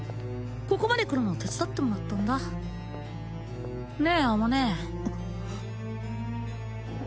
ここまで来るの手伝ってもらったんだねえ